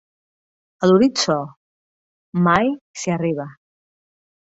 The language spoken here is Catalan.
A l'horitzó mai s'hi arriba.